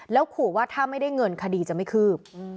แล้วขู่ว่าถ้าไม่ได้เงินคดีจะไม่คืบ